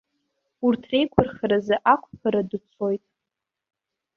Урҭ реиқәырхаразы ақәԥара ду цоит.